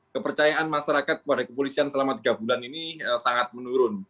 kepercayaan masyarakat kepada kepolisian selama tiga bulan ini sangat menurun